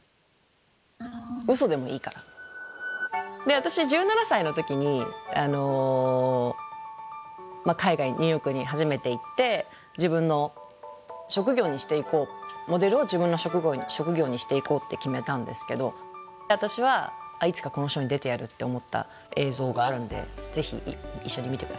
私１７歳の時に海外ニューヨークに初めて行って自分の職業にしていこうモデルを自分の職業にしていこうって決めたんですけど私はいつかこのショーに出てやるって思った映像があるんでぜひ一緒に見て下さい。